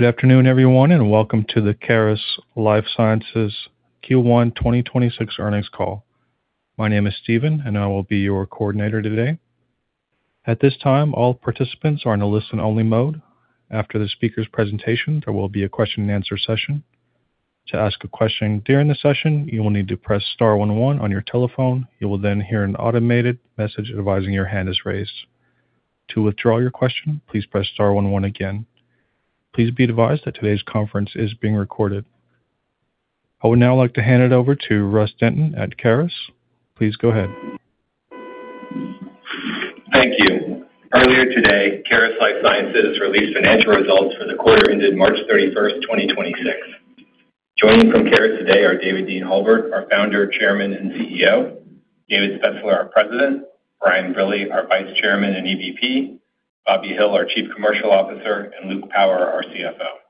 Good afternoon, everyone. Welcome to the Caris Life Sciences Q1 2026 earnings call. My name is Steven. I will be your coordinator today. At this time, all participants are in a listen-only mode. After the speaker's presentation, there will be a question and answer session. To ask a question during the session, you will need to press star one one on your telephone. You will hear an automated message advising your hand is raised. To withdraw your question, please press star one one again. Please be advised that today's conference is being recorded. I would now like to hand it over to Russ Denton at Caris. Please go ahead. Thank you. Earlier today, Caris Life Sciences released financial results for the quarter ended March 31, 2026. Joining from Caris today are David Dean Halbert, our Founder, Chairman, and CEO, David Spetzler, our president, Brian Brille, our Vice Chairman and EVP, Bobby Hill, our Chief Commercial Officer, and Luke Power, our CFO.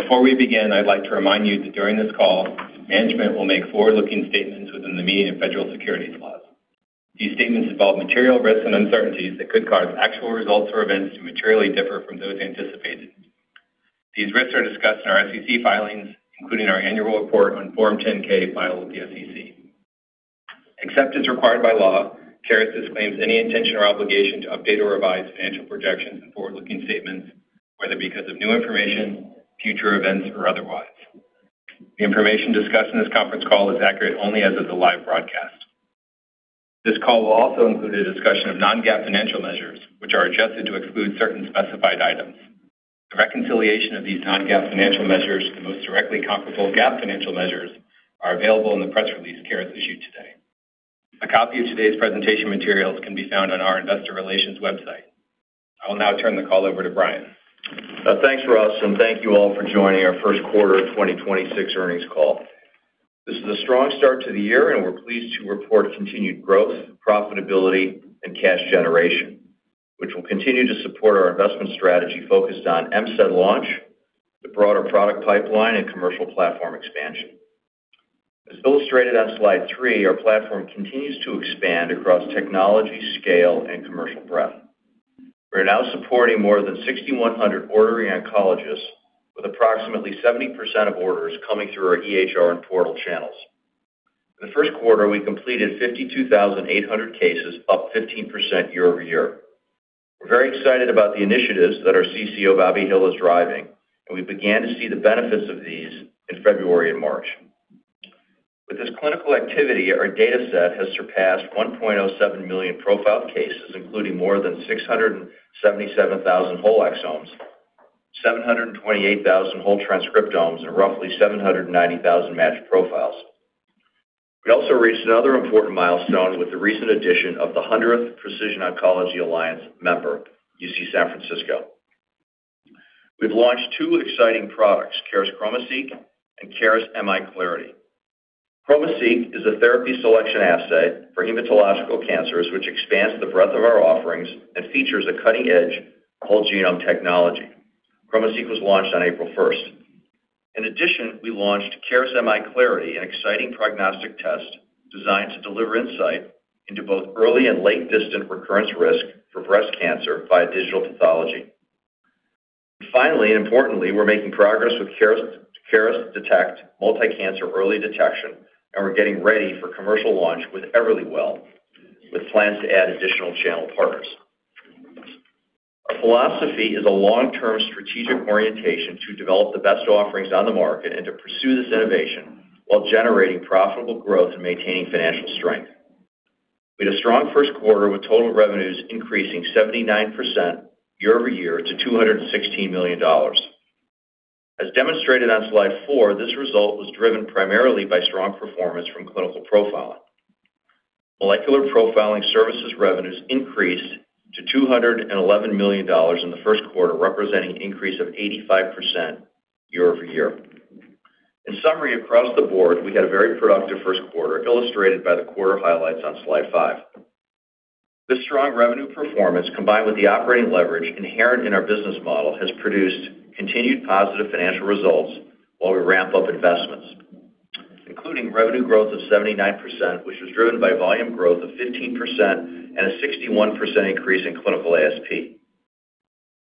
Before we begin, I'd like to remind you that during this call, management will make forward-looking statements within the meaning of federal securities laws. These statements involve material risks and uncertainties that could cause actual results or events to materially differ from those anticipated. These risks are discussed in our SEC filings, including our annual report on Form 10-K filed with the SEC. Except as required by law, Caris disclaims any intention or obligation to update or revise financial projections and forward-looking statements, whether because of new information, future events, or otherwise. The information discussed in this conference call is accurate only as of the live broadcast. This call will also include a discussion of non-GAAP financial measures, which are adjusted to exclude certain specified items. A reconciliation of these non-GAAP financial measures to the most directly comparable GAAP financial measures are available in the press release Caris issued today. A copy of today's presentation materials can be found on our investor relations website. I will now turn the call over to Brian. Thanks, Russ, and thank you all for joining our first quarter of 2026 earnings call. This is a strong start to the year, and we're pleased to report continued growth, profitability, and cash generation, which will continue to support our investment strategy focused on MCED launch, the broader product pipeline, and commercial platform expansion. As illustrated on slide three, our platform continues to expand across technology, scale, and commercial breadth. We're now supporting more than 6,100 ordering oncologists with approximately 70% of orders coming through our EHR and portal channels. In the 1st quarter, we completed 52,800 cases, up 15% year-over-year. We're very excited about the initiatives that our CCO, Bobby Hill, is driving, and we began to see the benefits of these in February and March. With this clinical activity, our dataset has surpassed 1.07 million profiled cases, including more than 677,000 whole exomes, 728,000 whole transcriptomes, and roughly 790,000 matched profiles. We also reached another important milestone with the recent addition of the 100th Precision Oncology Alliance member, UC San Francisco. We've launched two exciting products, Caris ChromoSeq and Caris MI Clarity. ChromoSeq is a therapy selection assay for hematological cancers, which expands the breadth of our offerings and features a cutting-edge whole genome technology. ChromoSeq was launched on April 1st. In addition, we launched Caris MI Clarity, an exciting prognostic test designed to deliver insight into both early and late distant recurrence risk for breast cancer via digital pathology. Finally, and importantly, we're making progress with Caris Detect multi-cancer early detection, and we're getting ready for commercial launch with Everlywell, with plans to add additional channel partners. Our philosophy is a long-term strategic orientation to develop the best offerings on the market and to pursue this innovation while generating profitable growth and maintaining financial strength. We had a strong first quarter with total revenues increasing 79% year-over-year to $216 million. As demonstrated on slide four, this result was driven primarily by strong performance from clinical profiling. Molecular Profiling Services revenues increased to $211 million in the first quarter, representing an increase of 85% year-over-year. In summary, across the board, we had a very productive first quarter, illustrated by the quarter highlights on slide five. This strong revenue performance, combined with the operating leverage inherent in our business model, has produced continued positive financial results while we ramp up investments, including revenue growth of 79%, which was driven by volume growth of 15% and a 61% increase in clinical ASP.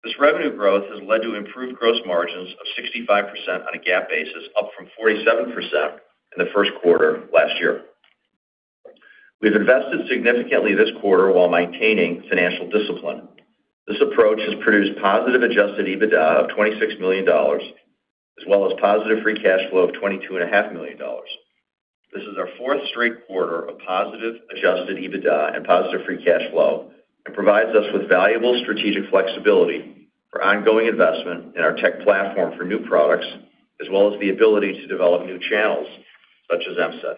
This revenue growth has led to improved gross margins of 65% on a GAAP basis, up from 47% in the first quarter of last year. We've invested significantly this quarter while maintaining financial discipline. This approach has produced positive adjusted EBITDA of $26 million, as well as positive free cash flow of $22 and a half million. This is our fourth straight quarter of positive adjusted EBITDA and positive free cash flow and provides us with valuable strategic flexibility for ongoing investment in our tech platform for new products, as well as the ability to develop new channels, such as MCED.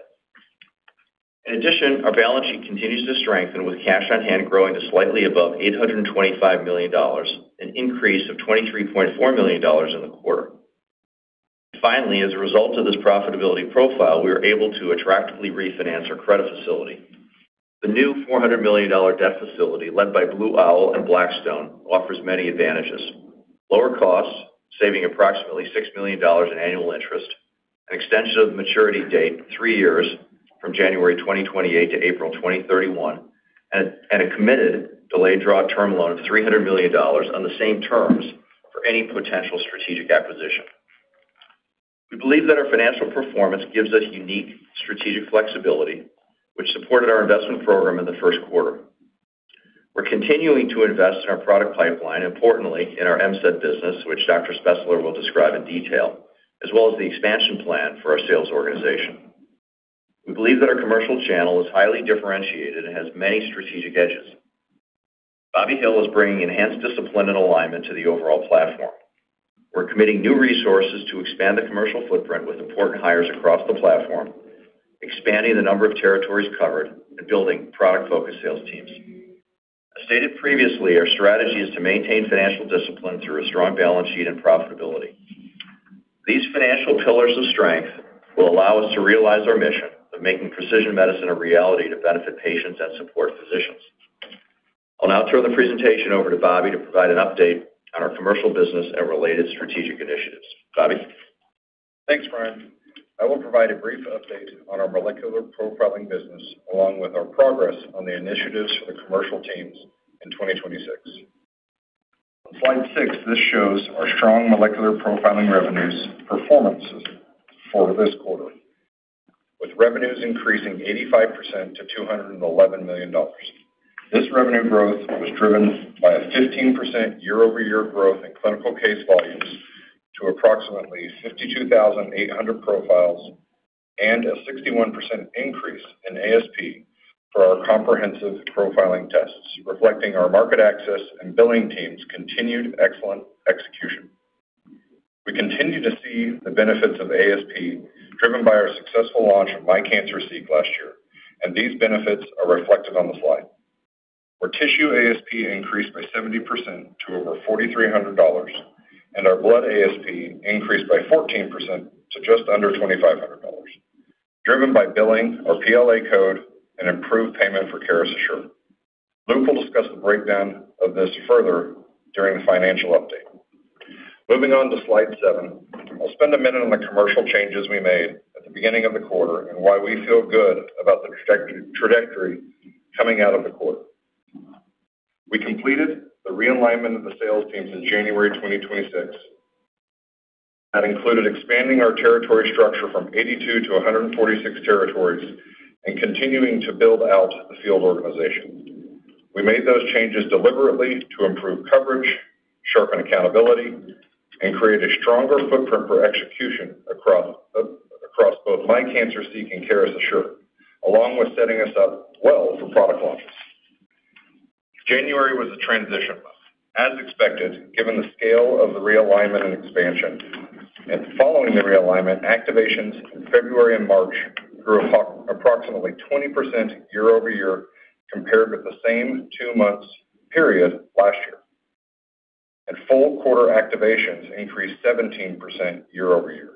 In addition, our balance sheet continues to strengthen, with cash on hand growing to slightly above $825 million, an increase of $23.4 million in the quarter. Finally, as a result of this profitability profile, we were able to attractively refinance our credit facility. The new $400 million debt facility led by Blue Owl and Blackstone offers many advantages. Lower costs, saving approximately $6 million in annual interest. An extension of the maturity date three years from January 2028 to April 2031 and a committed delayed draw term loan of $300 million on the same terms for any potential strategic acquisition. We believe that our financial performance gives us unique strategic flexibility, which supported our investment program in the first quarter. We're continuing to invest in our product pipeline, importantly in our MCED business, which Dr. Spetzler will describe in detail, as well as the expansion plan for our sales organization. We believe that our commercial channel is highly differentiated and has many strategic edges. Bobby Hill is bringing enhanced discipline and alignment to the overall platform. We're committing new resources to expand the commercial footprint with important hires across the platform, expanding the number of territories covered, and building product-focused sales teams. As stated previously, our strategy is to maintain financial discipline through a strong balance sheet and profitability. These financial pillars of strength will allow us to realize our mission of making precision medicine a reality to benefit patients and support physicians. I'll now turn the presentation over to Bobby to provide an update on our commercial business and related strategic initiatives. Bobby? Thanks, Brian. I will provide a brief update on our molecular profiling business, along with our progress on the initiatives for the commercial teams in 2026. On slide slide, this shows our strong molecular profiling revenues performances for this quarter, with revenues increasing 85% to $211 million. This revenue growth was driven by a 15% year-over-year growth in clinical case volumes to approximately 52,800 profiles and a 61% increase in ASP for our comprehensive profiling tests, reflecting our market access and billing team's continued excellent execution. We continue to see the benefits of ASP driven by our successful launch of MI Cancer Seek last year, and these benefits are reflected on the slide. Our tissue ASP increased by 70% to over $4,300, and our blood ASP increased by 14% to just under $2,500, driven by billing our PLA code and improved payment for Caris Assure. Luke will discuss the breakdown of this further during the financial update. Moving on to slide seven. I'll spend a minute on the commercial changes we made at the beginning of the quarter and why we feel good about the trajectory coming out of the quarter. We completed the realignment of the sales teams in January 2026. That included expanding our territory structure from 82-146 territories and continuing to build out the field organization. We made those changes deliberately to improve coverage, sharpen accountability, and create a stronger footprint for execution across both MI Cancer Seek and Caris Assure, along with setting us up well for product launches. January was a transition month, as expected, given the scale of the realignment and expansion. Following the realignment, activations in February and March grew approximately 20% year-over-year compared with the same two months period last year. Full quarter activations increased 17% year-over-year.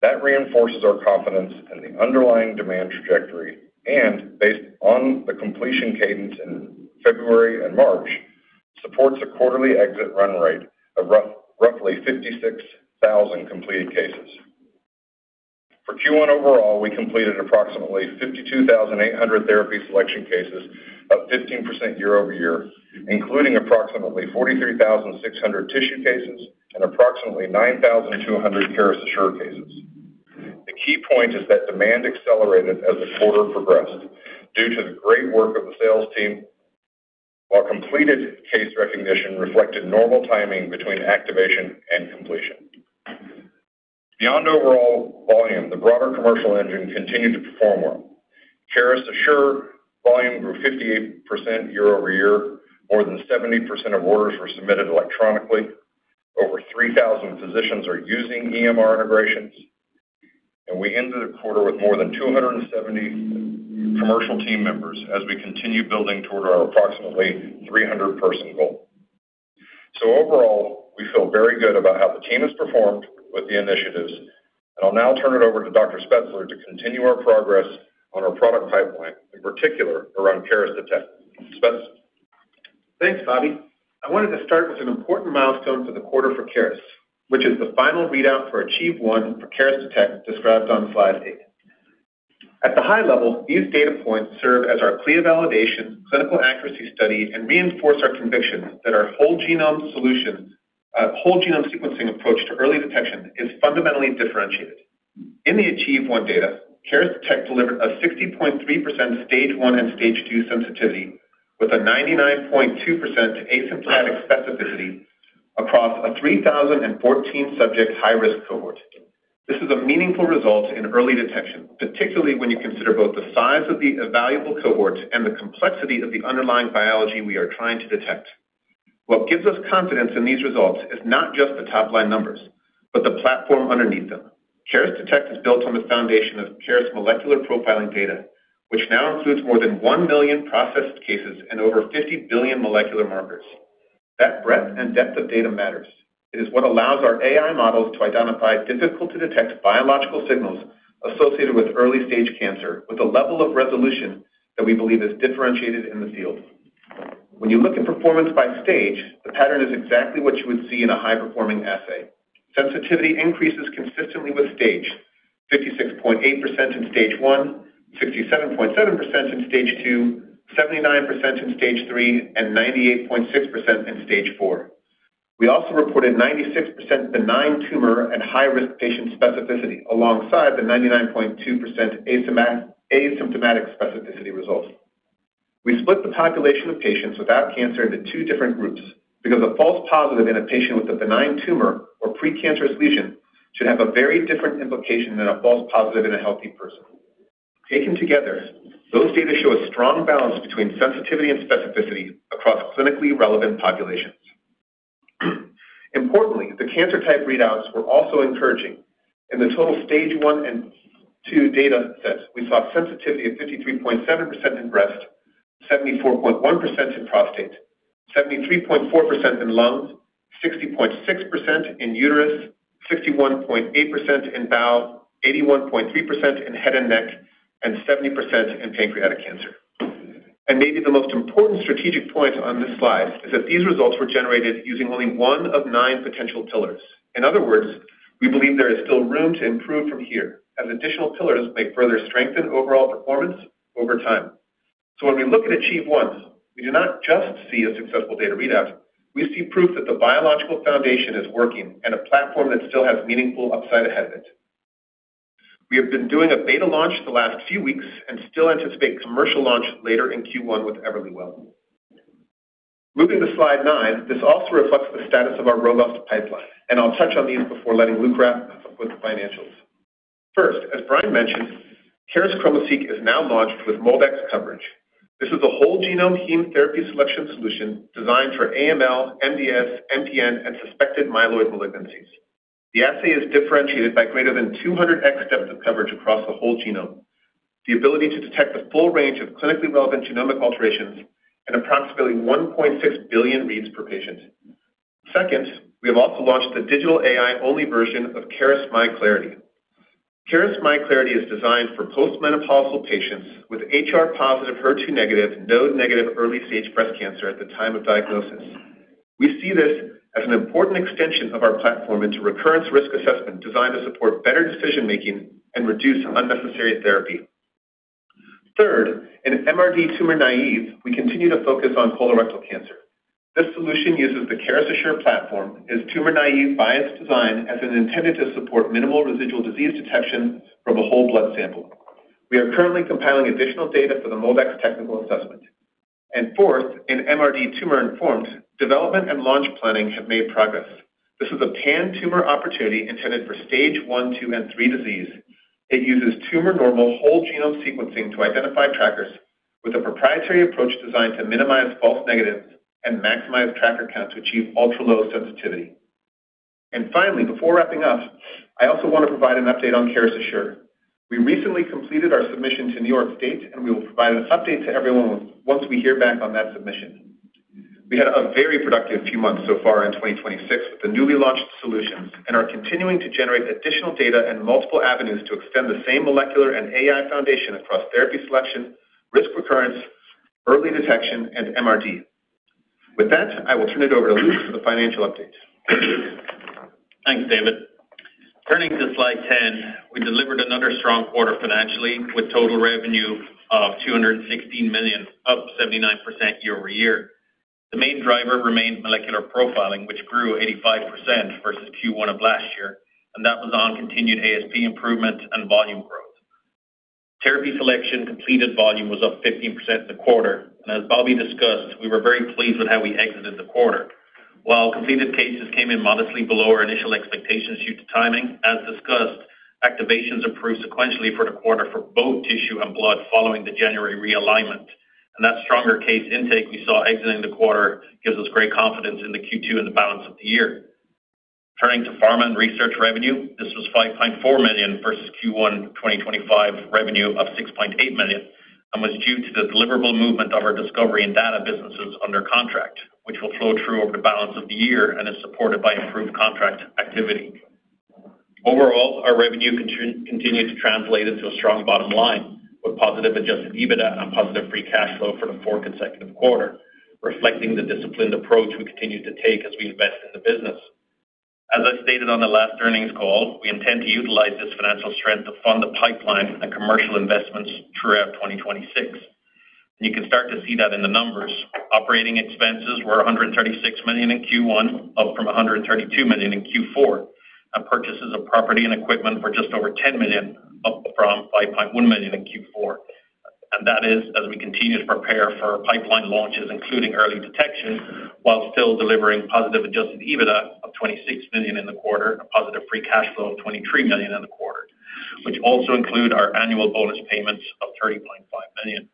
That reinforces our confidence in the underlying demand trajectory and based on the completion cadence in February and March, supports a quarterly exit run rate of roughly 56,000 completed cases. For Q1 overall, we completed approximately 52,800 therapy selection cases, up 15% year-over-year, including approximately 43,600 tissue cases and approximately 9,200 Caris Assure cases. The key point is that demand accelerated as the quarter progressed due to the great work of the sales team, while completed case recognition reflected normal timing between activation and completion. Beyond overall volume, the broader commercial engine continued to perform well. Caris Assure volume grew 58% year-over-year. More than 70% of orders were submitted electronically. Over 3,000 physicians are using EMR integrations. We ended the quarter with more than 270 commercial team members as we continue building toward our approximately 300 person goal. Overall, we feel very good about how the team has performed with the initiatives. I'll now turn it over to Dr. Spetzler to continue our progress on our product pipeline, in particular around Caris Detect. Spetz. Thanks, Bobby. I wanted to start with an important milestone for the quarter for Caris, which is the final readout for ACHIEVE-1 for Caris Detect described on slide eight. At the high level, these data points serve as our clear validation, clinical accuracy study, and reinforce our conviction that our whole genome solution, whole genome sequencing approach to early detection is fundamentally differentiated. In the ACHIEVE-1 data, Caris Detect delivered a 60.3% stage 1 and stage 2 sensitivity with a 99.2% asymptomatic specificity across a 3,014 subject high-risk cohort. This is a meaningful result in early detection, particularly when you consider both the size of the evaluable cohorts and the complexity of the underlying biology we are trying to detect. What gives us confidence in these results is not just the top-line numbers, but the platform underneath them. Caris Detect is built on the foundation of Caris molecular profiling data, which now includes more than 1 million processed cases and over 50 billion molecular markers. That breadth and depth of data matters. It is what allows our AI models to identify difficult-to-detect biological signals associated with early-stage cancer with a level of resolution that we believe is differentiated in the field. When you look at performance by stage, the pattern is exactly what you would see in a high-performing assay. Sensitivity increases consistently with stage: 56.8% in stage 1, 67.7% in stage 2, 79% in stage 3, and 98.6% in stage 4. We also reported 96% benign tumor and high-risk patient specificity alongside the 99.2% asymptomatic specificity results. We split the population of patients without cancer into two different groups because a false positive in a patient with a benign tumor or precancerous lesion should have a very different implication than a false positive in a healthy person. Taken together, those data show a strong balance between sensitivity and specificity across clinically relevant populations. The cancer type readouts were also encouraging. In the total stage 1 and 2 data sets, we saw sensitivity of 53.7% in breast, 74.1% in prostate, 73.4% in lungs, 60.6% in uterus, 61.8% in bowel, 81.3% in head and neck, 70% in pancreatic cancer. Maybe the most important strategic point on this slide is that these results were generated using only one of nine potential pillars. In other words, we believe there is still room to improve from here, as additional pillars may further strengthen overall performance over time. When we look at ACHIEVE-1, we do not just see a successful data readout, we see proof that the biological foundation is working and a platform that still has meaningful upside ahead of it. We have been doing a beta launch the last few weeks and still anticipate commercial launch later in Q1 with Everlywell. Moving to slide nine, this also reflects the status of our robust pipeline, and I'll touch on these before letting Luke wrap up with the financials. First, as Brian mentioned, Caris ChromoSeq is now launched with MolDX coverage. This is a whole genome heme therapy selection solution designed for AML, MDS, MPN, and suspected myeloid malignancies. The assay is differentiated by greater than 200X depth of coverage across the whole genome. The ability to detect the full range of clinically relevant genomic alterations at approximately 1.6 billion reads per patient. Second, we have also launched the digital AI-only version of Caris MI Clarity. Caris MI Clarity is designed for post-menopausal patients with HR-positive, HER2 negative, node-negative early-stage breast cancer at the time of diagnosis. We see this as an important extension of our platform into recurrence risk assessment designed to support better decision-making and reduce unnecessary therapy. Third, in MRD Tumor-Naive, we continue to focus on colorectal cancer. This solution uses the Caris Assure platform, is tumor-naive biased design, and is intended to support minimal residual disease detection from a whole blood sample. We are currently compiling additional data for the MolDX technical assessment. Fourth, in MRD Tumor-Informed, development and launch planning have made progress. This is a pan-tumor opportunity intended for stage 1, 2, and 3 disease. It uses tumor-normal whole genome sequencing to identify trackers with a proprietary approach designed to minimize false negatives and maximize tracker count to achieve ultra-low sensitivity. Finally, before wrapping up, I also want to provide an update on Caris Assure. We recently completed our submission to New York State, and we will provide an update to everyone once we hear back on that submission. We had a very productive few months so far in 2026 with the newly launched solutions and are continuing to generate additional data and multiple avenues to extend the same molecular and AI foundation across therapy selection, risk recurrence, early detection, and MRD. With that, I will turn it over to Luke for the financial update. Thanks, David. Turning to slide 10, we delivered another strong quarter financially with total revenue of $216 million, up 79% year-over-year. The main driver remained Molecular Profiling, which grew 85% versus Q1 of last year, and that was on continued ASP improvement and volume growth. Therapy selection completed volume was up 15% in the quarter. As Bobby discussed, we were very pleased with how we exited the quarter. While completed cases came in modestly below our initial expectations due to timing, as discussed, activations improved sequentially for the quarter for both tissue and blood following the January realignment. That stronger case intake we saw exiting the quarter gives us great confidence in the Q2 and the balance of the year. Turning to pharma and research revenue, this was $5.4 million versus Q1 2025 revenue of $6.8 million and was due to the deliverable movement of our discovery and data businesses under contract, which will flow through over the balance of the year and is supported by improved contract activity. Overall, our revenue continue to translate into a strong bottom line with positive adjusted EBITDA and positive free cash flow for the fourth consecutive quarter, reflecting the disciplined approach we continue to take as we invest in the business. As I stated on the last earnings call, we intend to utilize this financial strength to fund the pipeline and commercial investments throughout 2026. You can start to see that in the numbers. Operating expenses were $136 million in Q1, up from $132 million in Q4, and purchases of property and equipment were just over $10 million, up from $5.1 million in Q4. That is as we continue to prepare for pipeline launches, including early detection, while still delivering positive adjusted EBITDA of $26 million in the quarter and a positive free cash flow of $23 million in the quarter, which also include our annual bonus payments of $30.5 million.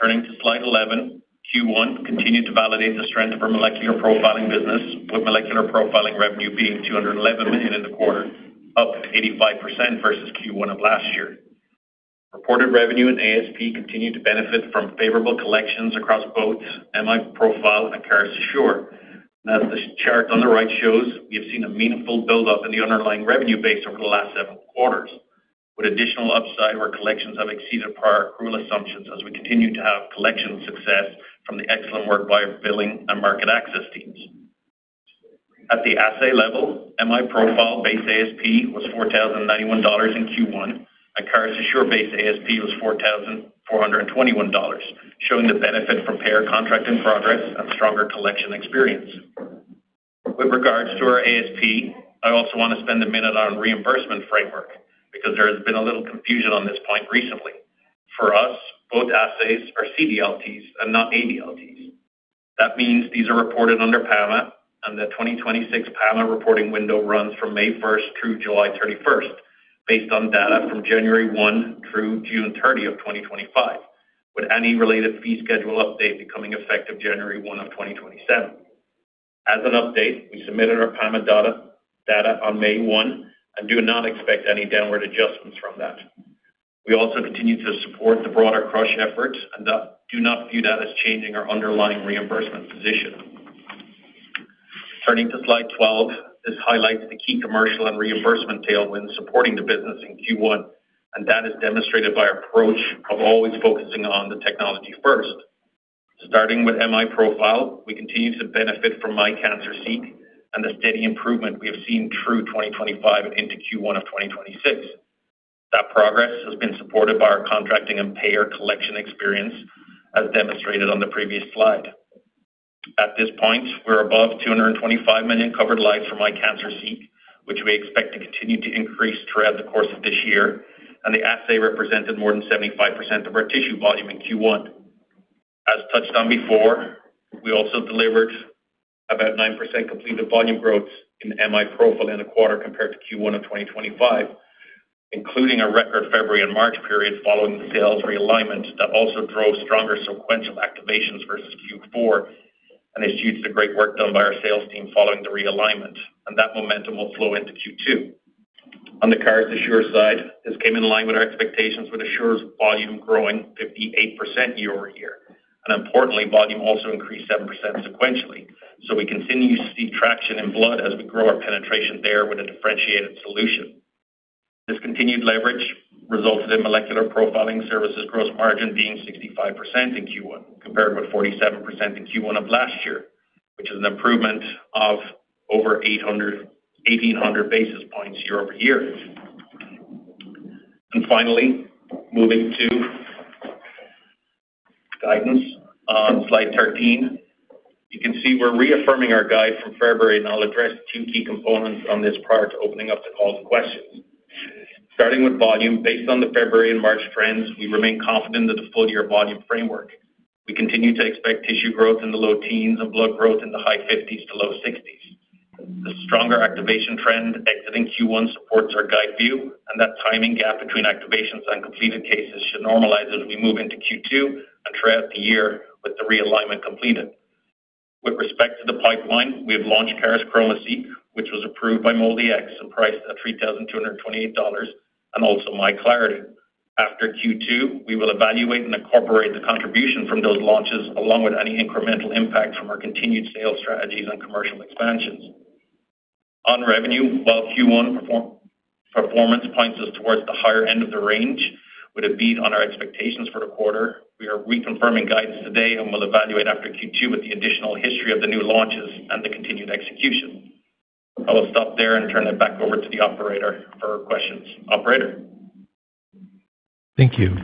Turning to slide 11, Q1 continued to validate the strength of our molecular profiling business, with molecular profiling revenue being $211 million in the quarter, up 85% versus Q1 of last year. Reported revenue and ASP continued to benefit from favorable collections across both MI Profile and Caris Assure. As this chart on the right shows, we have seen a meaningful buildup in the underlying revenue base over the last seven quarters, with additional upside where collections have exceeded prior accrual assumptions as we continue to have collection success from the excellent work by our billing and market access teams. At the assay level, MI Profile base ASP was $4,091 in Q1, and Caris Assure base ASP was $4,421, showing the benefit from payer contract in progress and stronger collection experience. With regards to our ASP, I also want to spend a minute on reimbursement framework because there has been a little confusion on this point recently. For us, both assays are CDLTs and not ADLTs. That means these are reported under PAMA. The 2026 PAMA reporting window runs from May 1 through July 31 based on data from January 1 through June 30 of 2025, with any related fee schedule update becoming effective January 1 of 2027. As an update, we submitted our PAMA data on May 1 and do not expect any downward adjustments from that. We also continue to support the broader CRUSH efforts and do not view that as changing our underlying reimbursement position. Turning to slide 12, this highlights the key commercial and reimbursement tailwind supporting the business in Q1. That is demonstrated by our approach of always focusing on the technology first. Starting with MI Profile, we continue to benefit from MI Cancer Seek and the steady improvement we have seen through 2025 into Q1 of 2026. That progress has been supported by our contracting and payer collection experience, as demonstrated on the previous slide. At this point, we're above 225 million covered lives for MI Cancer Seek, which we expect to continue to increase throughout the course of this year. The assay represented more than 75% of our tissue volume in Q1. As touched on before, we also delivered about 9% completed volume growth in MI Profile in the quarter compared to Q1 of 2025, including a record February and March period following the sales realignment that also drove stronger sequential activations versus Q4 and is due to the great work done by our sales team following the realignment. That momentum will flow into Q2. On the Caris Assure side, this came in line with our expectations with Assure's volume growing 58% year-over-year, importantly, volume also increased 7% sequentially. We continue to see traction in blood as we grow our penetration there with a differentiated solution. This continued leverage resulted in Molecular Profiling Services gross margin being 65% in Q1 compared with 47% in Q1 of last year, which is an improvement of over 1,800 basis points year-over-year. Finally, moving to guidance on slide 13. You can see we're reaffirming our guide from February, I'll address two key components on this prior to opening up the call to questions. Starting with volume, based on the February and March trends, we remain confident of the full year volume framework. We continue to expect tissue growth in the low teens and blood growth in the high 50s to low 60s. The stronger activation trend exiting Q1 supports our guide view. That timing gap between activations and completed cases should normalize as we move into Q2 and throughout the year with the realignment completed. With respect to the pipeline, we have launched Caris ChromoSeq, which was approved by MolDX and priced at $3,228, and also MI Clarity. After Q2, we will evaluate and incorporate the contribution from those launches along with any incremental impact from our continued sales strategies and commercial expansions. On revenue, while Q1 performance points us towards the higher end of the range with a beat on our expectations for the quarter, we are reconfirming guidance today and will evaluate after Q2 with the additional history of the new launches and the continued execution. I will stop there and turn it back over to the operator for questions. Operator? Thank you.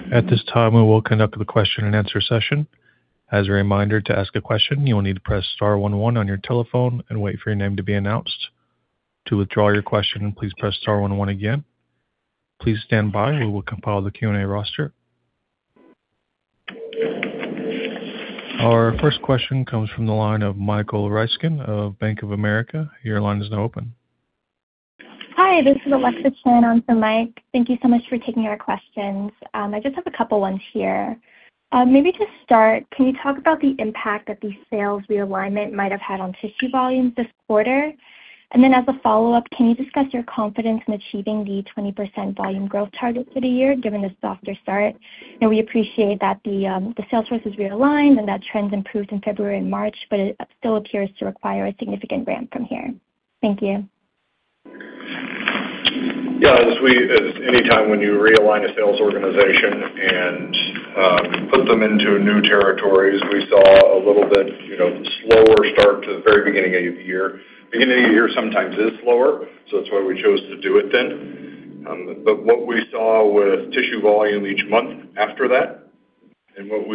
Our first question comes from the line of Michael Ryskin of Bank of America. Your line is now open. Hi, this is Alexa Chen on for Mike. Thank you so much for taking our questions. I just have a couple ones here. Maybe to start, can you talk about the impact that the sales realignment might have had on tissue volumes this quarter? As a follow-up, can you discuss your confidence in achieving the 20% volume growth target for the year, given the softer start? We appreciate that the sales force is realigned and that trends improved in February and March, but it still appears to require a significant ramp from here. Thank you. Yeah, as any time when you realign a sales organization and put them into new territories, we saw a little bit, you know, slower start to the very beginning of the year. Beginning of the year sometimes is slower, that's why we chose to do it then. What we saw with tissue volume each month after that and what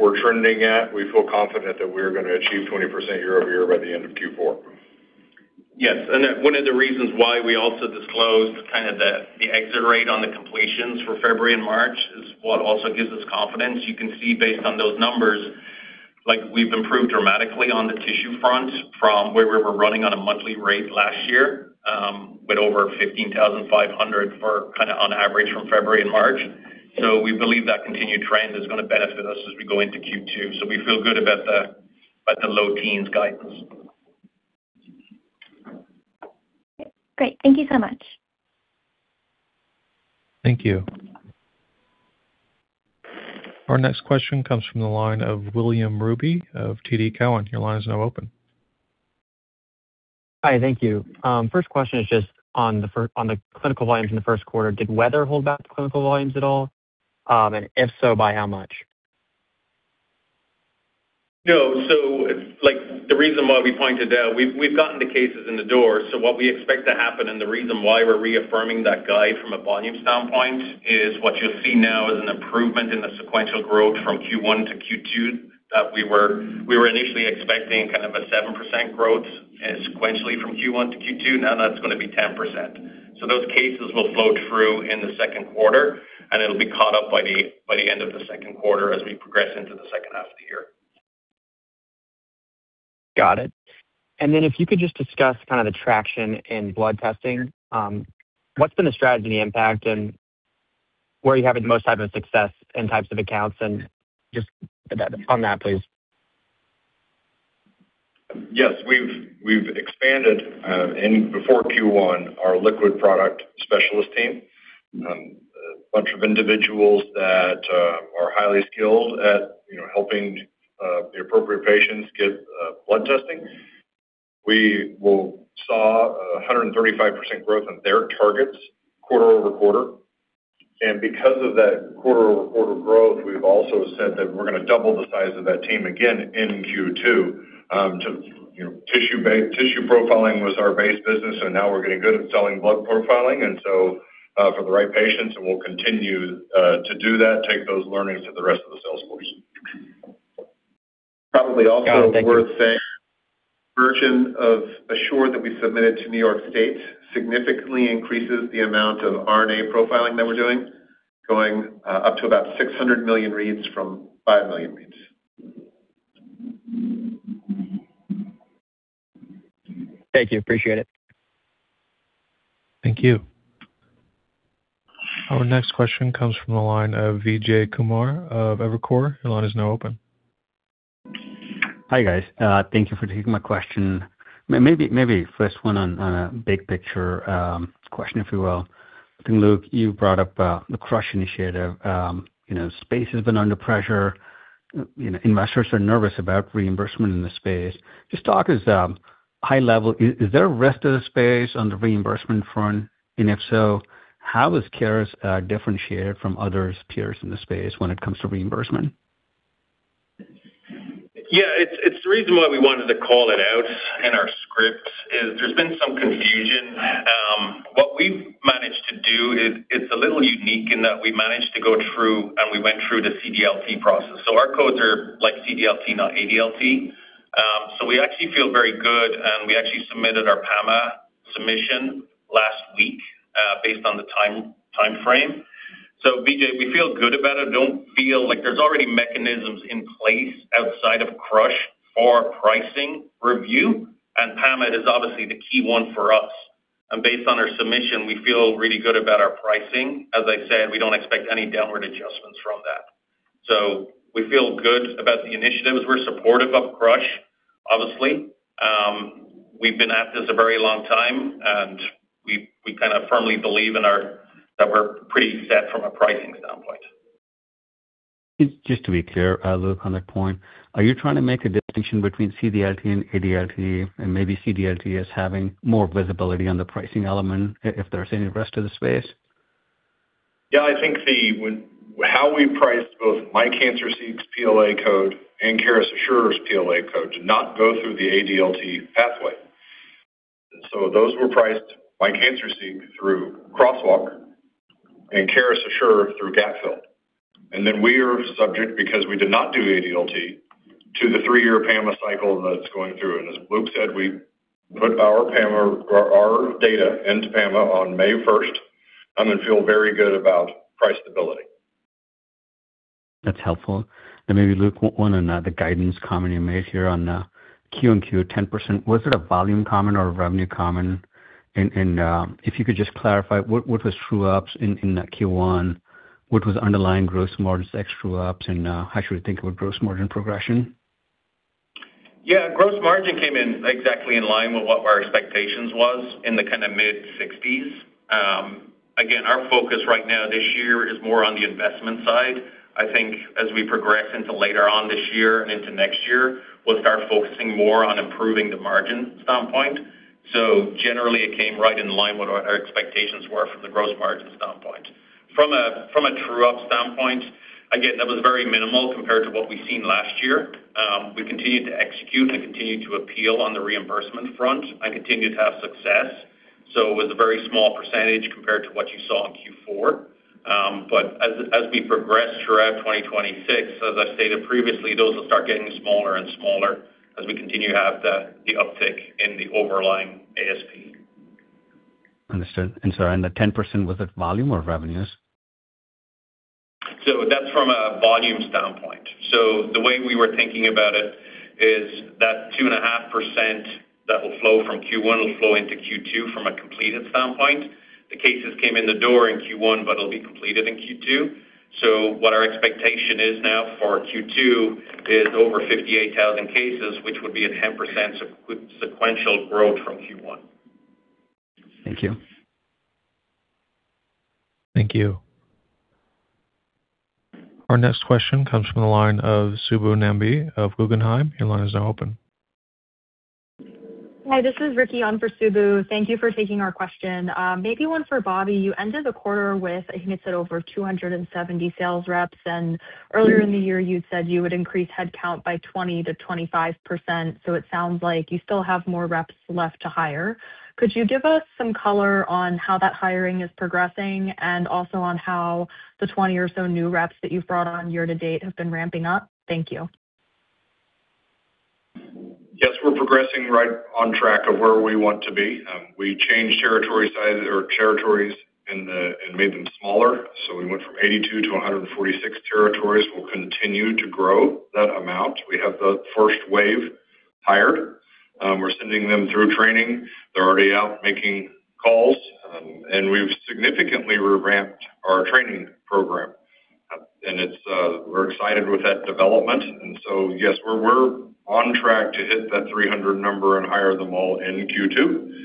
we're trending at, we feel confident that we're going to achieve 20% year-over-year by the end of Q4. Yes. One of the reasons why we also disclosed kind of the exit rate on the completions for February and March is what also gives us confidence. You can see based on those numbers, we've improved dramatically on the tissue front from where we were running on a monthly rate last year, with over 15,500 on average from February and March. We believe that continued trend is going to benefit us as we go into Q2. We feel good about the low teens guidance. Great. Thank you so much. Thank you. Our next question comes from the line of William Ruby of TD Cowen. Your line is now open. Hi. Thank you. First question is just on the clinical volumes in the first quarter. Did weather hold back the clinical volumes at all? If so, by how much? No. It's like the reason why we pointed out we've gotten the cases in the door. What we expect to happen and the reason why we're reaffirming that guide from a volume standpoint is what you'll see now is an improvement in the sequential growth from Q1 to Q2 that we were initially expecting kind of a 7% growth and sequentially from Q1 to Q2. Now that's gonna be 10%. Those cases will flow through in the second quarter and it'll be caught up by the end of the second quarter as we progress into the second half of the year. Got it. If you could just discuss the traction in blood testing. What's been the strategy impact and where are you having the most type of success and types of accounts and just on that please. Yes. We've expanded before Q1 our liquid product specialist team, a bunch of individuals that are highly skilled at, you know, helping the appropriate patients get blood testing. We saw 135% growth on their targets quarter-over-quarter. Because of that quarter-over-quarter growth, we've also said that we're gonna double the size of that team again in Q2, to, you know, tissue profiling was our base business and now we're getting good at selling blood profiling and so, for the right patients and we'll continue to do that, take those learnings to the rest of the sales force. Probably also worth saying version of Assure that we submitted to New York State significantly increases the amount of RNA profiling that we're doing, going up to about 600 million reads from 5 million reads. Thank you. Appreciate it. Thank you. Our next question comes from the line of Vijay Kumar of Evercore. Your line is now open. Hi guys. Thank you for taking my question. Maybe first one on a big picture question if you will. Luke, you brought up the CRUSH initiative. You know, space has been under pressure. You know, investors are nervous about reimbursement in the space. Just talk us high level, is there a rest of the space on the reimbursement front? If so, how is Caris differentiated from others peers in the space when it comes to reimbursement? It's the reason why we wanted to call it out in our script is there's been some confusion. What we've managed to do is it's a little unique in that we managed to go through and we went through the CDLT process. Our codes are like CDLT, not ADLT. We actually feel very good and we actually submitted our PAMA submission last week, based on the time, timeframe. Vijay, we feel good about it. Don't feel like there's already mechanisms in place outside of CRUSH for pricing review and PAMA is obviously the key one for us. Based on our submission we feel really good about our pricing. As I said, we don't expect any downward adjustments from that. We feel good about the initiatives. We're supportive of CRUSH obviously. We've been at this a very long time and we kind of firmly believe that we're pretty set from a pricing standpoint. Just to be clear, Luke, on that point, are you trying to make a distinction between CDLT and ADLT and maybe CDLT is having more visibility on the pricing element if there's any rest of the space? I think how we priced both MI Cancer Seek's PLA code and Caris Assure's PLA code did not go through the ADLT pathway. Those were priced MI Cancer Seek through crosswalk and Caris Assure through gap fill. We are subject because we did not do ADLT to the three-year PAMA cycle that's going through. As Luke said, we put our PAMA data into PAMA on May 1st and then feel very good about price stability. That's helpful. Maybe Luke, one on the guidance comment you made here on the Q-on-Q 10%. Was it a volume comment or a revenue comment? If you could just clarify what was true ups in that Q1? What was underlying gross margins, extra ups, and how should we think about gross margin progression? Gross margin came in exactly in line with what our expectations was in the kind of mid-60s. Our focus right now this year is more on the investment side. I think as we progress into later on this year and into next year, we'll start focusing more on improving the margin standpoint. Generally it came right in line what our expectations were from the gross margin standpoint. From a true up standpoint, that was very minimal compared to what we've seen last year. We continued to execute and continued to appeal on the reimbursement front and continued to have success. It was a very small percentage compared to what you saw in Q4. As we progress throughout 2026, as I stated previously, those will start getting smaller and smaller as we continue to have the uptick in the overlying ASP. Understood. Sorry, and the 10%, was it volume or revenues? That's from a volume standpoint. The way we were thinking about it is that 2.5% that will flow from Q1 will flow into Q2 from a completed standpoint. The cases came in the door in Q1, but it will be completed in Q2. What our expectation is now for Q2 is over 58,000 cases which would be a 10% sequential growth from Q1. Thank you. Thank you. Our next question comes from the line of Subbu Nambi of Guggenheim. Your line is now open. Hi, this is Ricky on for Subbu. Thank you for taking our question. Maybe one for Bobby. You ended the quarter with, I think you said, over 270 sales reps, and earlier in the year you said you would increase head count by 20%-25%. It sounds like you still have more reps left to hire. Could you give us some color on how that hiring is progressing and also on how the 20 or so new reps that you've brought on year to date have been ramping up? Thank you. Yes, we're progressing right on track of where we want to be. We changed territory size or territories and made them smaller. We went from 82-146 territories. We'll continue to grow that amount. We have the first wave hired. We're sending them through training. They're already out making calls. We've significantly revamped our training program. It's, we're excited with that development. Yes, we're on track to hit that 300 number and hire them all in Q2.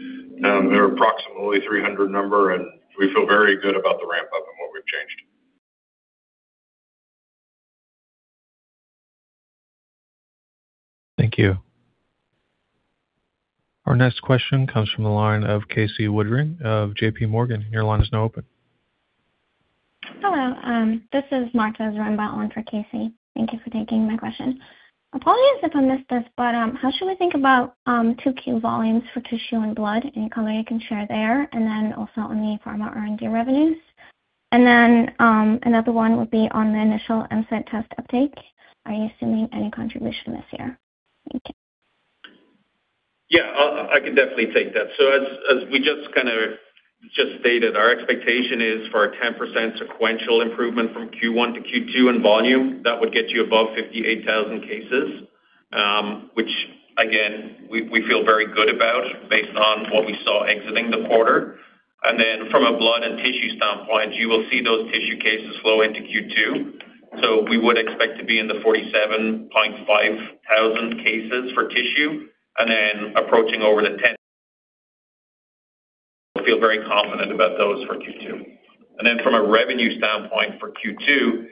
Approximately 300 number, and we feel very good about the ramp-up and what we've changed. Thank you. Our next question comes from the line of Casey Woodring of JPMorgan. Your line is now open. Hello, this is [Martha Runbat] on for Casey. Thank you for taking my question. Apologies if I missed this, but how should we think about 2Q volumes for tissue and blood, any color you can share there? Also on the pharma R&D revenues. Another one would be on the initial Caris Detect uptake. Are you assuming any contribution this year? Thank you. I can definitely take that. As we just stated, our expectation is for a 10% sequential improvement from Q1 to Q2 in volume. That would get you above 58,000 cases, which again we feel very good about based on what we saw exiting the quarter. From a blood and tissue standpoint, you will see those tissue cases flow into Q2. We would expect to be in the 47500 cases for tissue and then approaching over the [inaudible] feel very confident about those for Q2. From a revenue standpoint for Q2,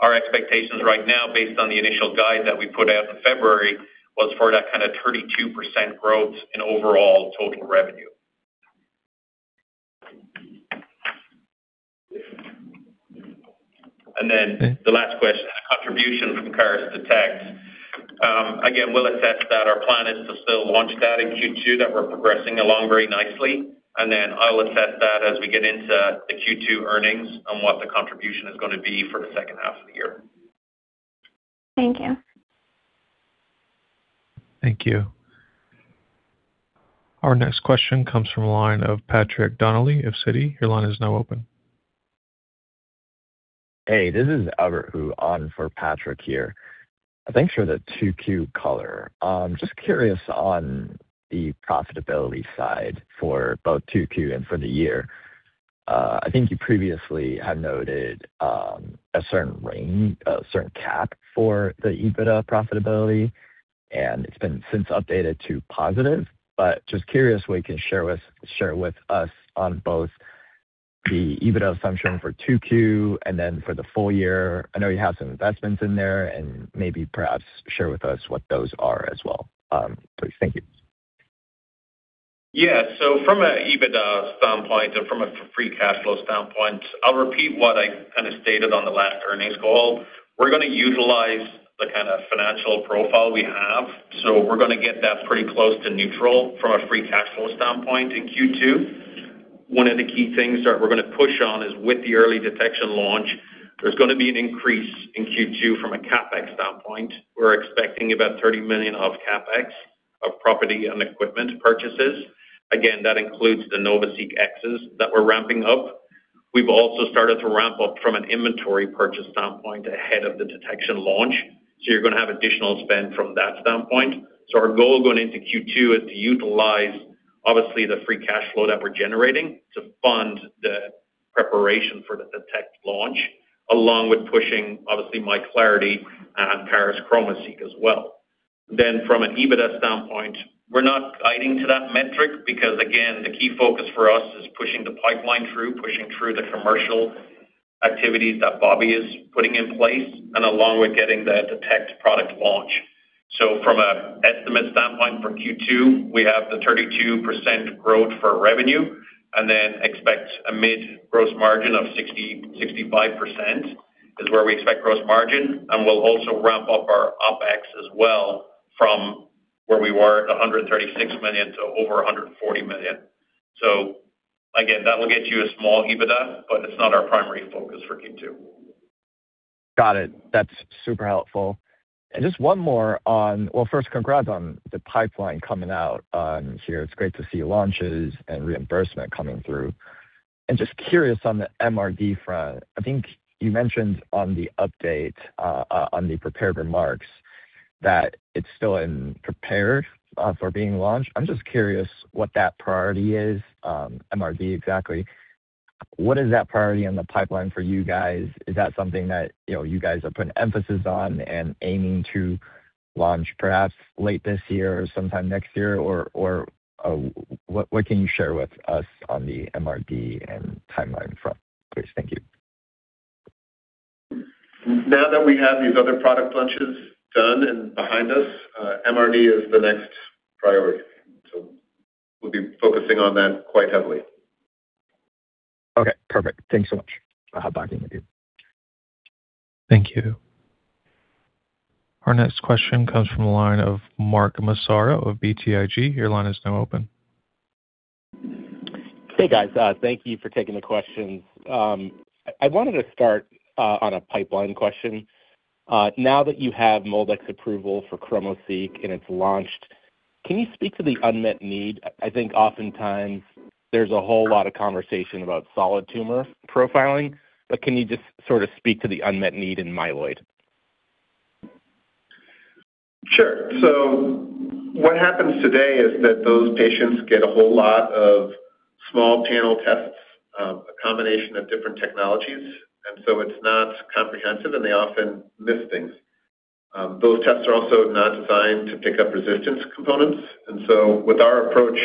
our expectations right now based on the initial guide that we put out in February was for that kind of 32% growth in overall total revenue. The last question, the contribution from Caris Detect. Again, we'll assess that. Our plan is to still launch that in Q2, that we're progressing along very nicely. I'll assess that as we get into the Q2 earnings on what the contribution is going to be for the second half of the year. Thank you. Thank you. Our next question comes from the line of Patrick Donnelly of Citi. Your line is now open. Hey, this is Albert Hu on for Patrick here. Thanks for the two Q color. Just curious on the profitability side for both two Q and for the year. I think you previously had noted, a certain range, a certain cap for the EBITDA profitability, and it's been since updated to positive. Just curious what you can share with us on both the EBITDA assumption for two Q and then for the full year. I know you have some investments in there and maybe perhaps share with us what those are as well. Thank you. From a EBITDA standpoint and from a free cash flow standpoint, I'll repeat what I kinda stated on the last earnings call. We're gonna utilize the kinda financial profile we have. We're gonna get that pretty close to neutral from a free cash flow standpoint in Q2. One of the key things that we're gonna push on is with the early detection launch, there's gonna be an increase in Q2 from a CapEx standpoint. We're expecting about $30 million of CapEx of property and equipment purchases. Again, that includes the NovaSeq Xs that we're ramping up. We've also started to ramp up from an inventory purchase standpoint ahead of the detection launch. You're gonna have additional spend from that standpoint. Our goal going into Q2 is to utilize obviously the free cash flow that we're generating to fund the preparation for the Detect launch, along with pushing obviously MI Clarity and Caris ChromoSeq as well. From an EBITDA standpoint, we're not guiding to that metric because again, the key focus for us is pushing the pipeline through, pushing through the commercial activities that Bobby is putting in place and along with getting the Detect product launch. From an estimate standpoint for Q2, we have the 32% growth for revenue and expect a mid gross margin of 60%-65% is where we expect gross margin. We'll also ramp up our OpEx as well from where we were at $136 million to over $140 million. Again, that will get you a small EBITDA, but it's not our primary focus for Q2. Got it. That's super helpful. Well, first, congrats on the pipeline coming out here. It's great to see launches and reimbursement coming through. Just curious on the MRD front. I think you mentioned on the update on the prepared remarks that it's still in prepared for being launched. I'm just curious what that priority is, MRD exactly. What is that priority in the pipeline for you guys? Is that something that, you know, you guys are putting emphasis on and aiming to launch perhaps late this year or sometime next year? What can you share with us on the MRD and timeline front, please? Thank you. Now that we have these other product launches done and behind us, MRD is the next priority. We'll be focusing on that quite heavily. Okay, perfect. Thanks so much. I'll hop back in with you. Thank you. Our next question comes from the line of Mark Massaro of BTIG. Your line is now open. Hey, guys. Thank you for taking the questions. I wanted to start on a pipeline question. Now that you have MolDX approval for ChromoSeq and it's launched, can you speak to the unmet need? I think oftentimes there's a whole lot of conversation about solid tumor profiling, but can you just sort of speak to the unmet need in myeloid? Sure. What happens today is that those patients get a whole lot of small panel tests, a combination of different technologies, it's not comprehensive, and they often miss things. Those tests are also not designed to pick up resistance components. With our approach,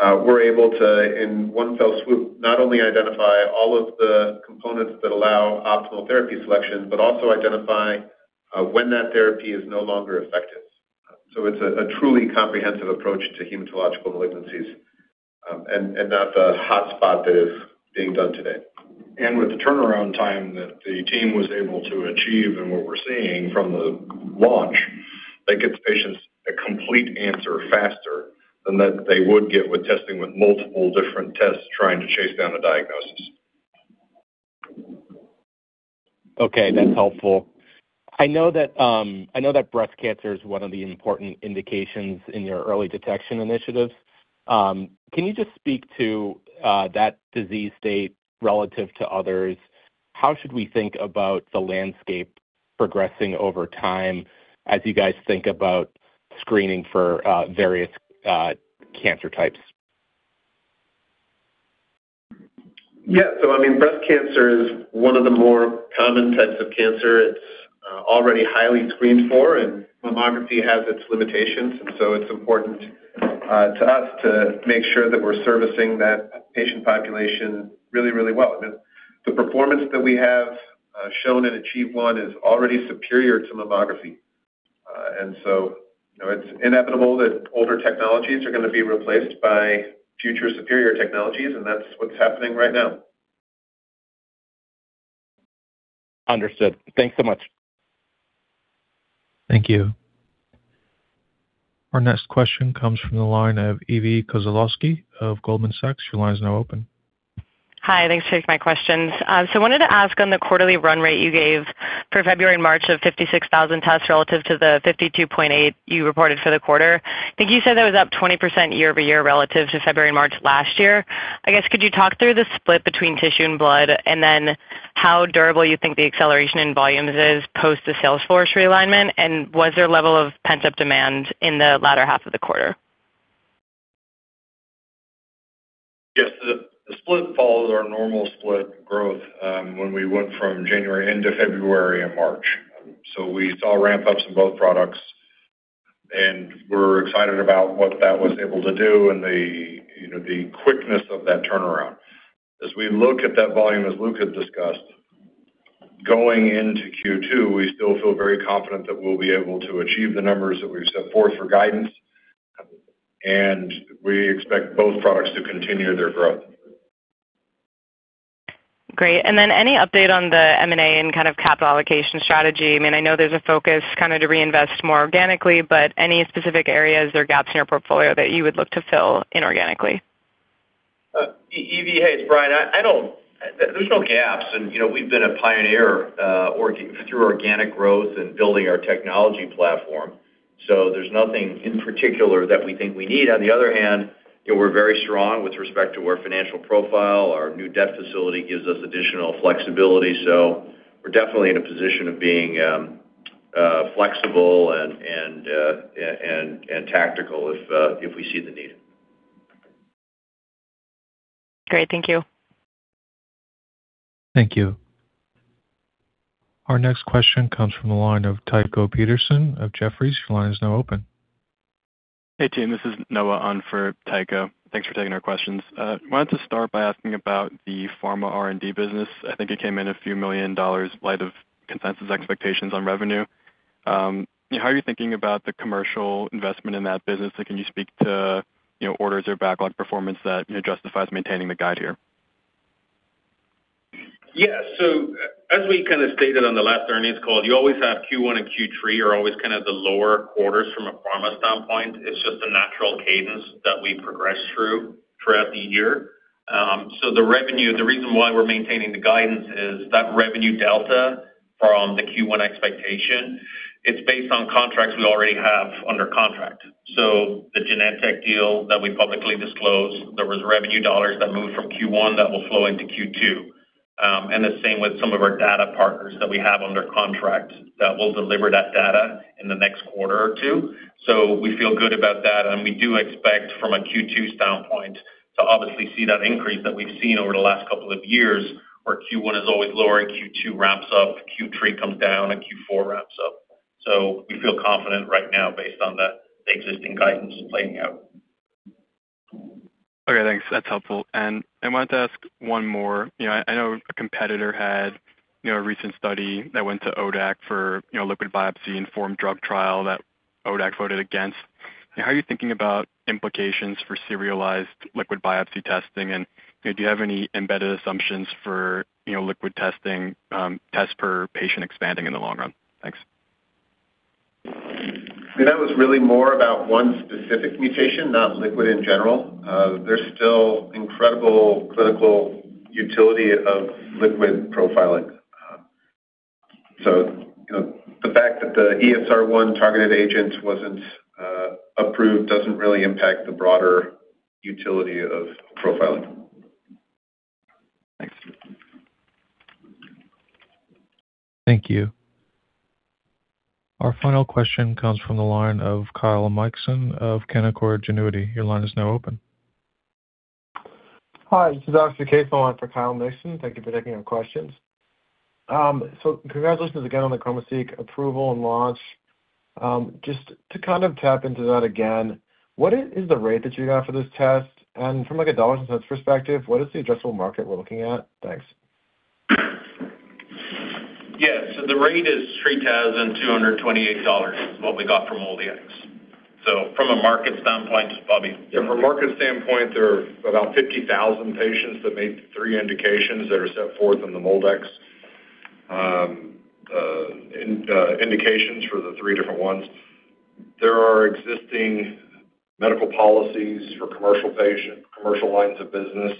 we're able to, in one fell swoop, not only identify all of the components that allow optimal therapy selection, but also identify when that therapy is no longer effective. It's a truly comprehensive approach to hematological malignancies and not the hotspot that is being done today. With the turnaround time that the team was able to achieve and what we're seeing from the launch, that gets patients a complete answer faster than that they would get with testing with multiple different tests trying to chase down a diagnosis. Okay. That's helpful. I know that breast cancer is one of the important indications in your early detection initiatives. Can you just speak to that disease state relative to others? How should we think about the landscape progressing over time as you guys think about screening for various cancer types? Yeah. I mean, breast cancer is one of the more common types of cancer. It's already highly screened for, mammography has its limitations. It's important to us to make sure that we're servicing that patient population really, really well. The performance that we have shown in ACHIEVE-1 is already superior to mammography. You know, it's inevitable that older technologies are gonna be replaced by future superior technologies, and that's what's happening right now. Understood. Thanks so much. Thank you. Our next question comes from the line of Eve Kozelowski of Goldman Sachs. Hi, thanks for taking my questions. wanted to ask on the quarterly run rate you gave for February and March of 56,000 tests relative to the 52.8 you reported for the quarter. I think you said that was up 20% year-over-year relative to February and March last year. I guess, could you talk through the split between tissue and blood, and then how durable you think the acceleration in volumes is post the sales force realignment? Was there a level of pent-up demand in the latter half of the quarter? Yes. The split follows our normal split growth when we went from January into February and March. We saw ramp-ups in both products, and we're excited about what that was able to do and you know, the quickness of that turnaround. As we look at that volume, as Luke had discussed, going into Q2, we still feel very confident that we'll be able to achieve the numbers that we've set forth for guidance, and we expect both products to continue their growth. Great. Then any update on the M&A and kind of capital allocation strategy? I mean, I know there's a focus kind of to reinvest more organically, but any specific areas or gaps in your portfolio that you would look to fill inorganically? Eve, hey, it's Brian. There's no gaps, and, you know, we've been a pioneer through organic growth and building our technology platform. There's nothing in particular that we think we need. On the other hand, you know, we're very strong with respect to our financial profile. Our new debt facility gives us additional flexibility. We're definitely in a position of being flexible and tactical if we see the need. Great. Thank you. Thank you. Our next question comes from the line of Tycho Peterson of Jefferies. Your line is now open. Hey, team, this is Noah on for Tycho. Thanks for taking our questions. Wanted to start by asking about the pharma R&D business. I think it came in a few million dollars light of consensus expectations on revenue. How are you thinking about the commercial investment in that business? Can you speak to, you know, orders or backlog performance that, you know, justifies maintaining the guide here? Yeah. As we kind of stated on the last earnings call, you always have Q1 and Q3 are always kind of the lower quarters from a pharma standpoint. It's just a natural cadence that we progress through throughout the year. The revenue, the reason why we're maintaining the guidance is that revenue delta from the Q1 expectation, it's based on contracts we already have under contract. The Genentech deal that we publicly disclosed, there was revenue dollars that moved from Q1 that will flow into Q2. The same with some of our data partners that we have under contract that will deliver that data in the next quarter or two. We feel good about that, and we do expect from a Q2 standpoint to obviously see that increase that we've seen over the last couple of years, where Q1 is always lower and Q2 ramps up, Q3 comes down, and Q4 ramps up. We feel confident right now based on that existing guidance playing out. Okay, thanks. That's helpful. I wanted to ask one more. You know, I know a competitor had, you know, a recent study that went to ODAC for, you know, liquid biopsy-informed drug trial that ODAC voted against. How are you thinking about implications for serialized liquid biopsy testing, and, you know, do you have any embedded assumptions for, you know, liquid testing tests per patient expanding in the long run? Thanks. I mean, that was really more about one specific mutation, not liquid in general. There's still incredible clinical utility of liquid profiling. You know, the fact that the ESR1 targeted agent wasn't approved doesn't really impact the broader utility of profiling. Thank you. Our final question comes from the line of Kyle Mikson of Canaccord Genuity. Your line is now open. Hi, this is Dr. Kaufman for Kyle Mikson. Thank you for taking our questions. Congratulations again on the ChromoSeq approval and launch. Just to kind of tap into that again, what is the rate that you got for this test? From, like, a dollars and cents perspective, what is the addressable market we're looking at? Thanks. Yeah. The rate is $3,228 is what we got from MolDX. From a market standpoint Bobby? Yeah, from a market standpoint, there are about 50,000 patients that meet the three indications that are set forth in the MolDX indications for the three different ones. There are existing medical policies for commercial commercial lines of business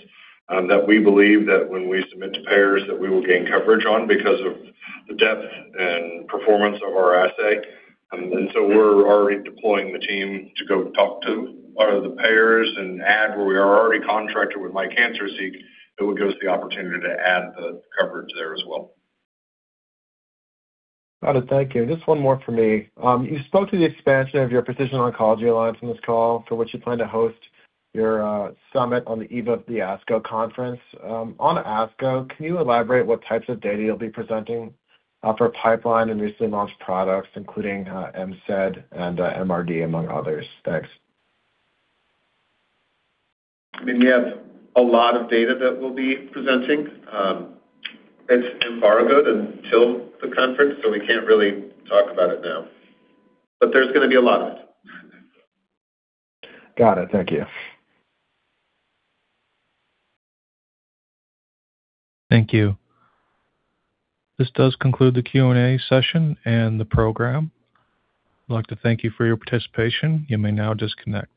that we believe that when we submit to payers, that we will gain coverage on because of the depth and performance of our assay. We're already deploying the team to go talk to a lot of the payers and add where we are already contracted with MI Cancer Seek. It would give us the opportunity to add the coverage there as well. Got it. Thank you. Just one more for me. You spoke to the expansion of your Precision Oncology Alliance on this call for which you plan to host your summit on the eve of the ASCO conference. On ASCO, can you elaborate what types of data you'll be presenting for pipeline and recently launched products, including MCED and MRD, among others? Thanks. I mean, we have a lot of data that we'll be presenting. It's embargoed until the conference, we can't really talk about it now. There's gonna be a lot of it. Got it. Thank you. Thank you. This does conclude the Q&A session and the program. I'd like to thank you for your participation. You may now disconnect.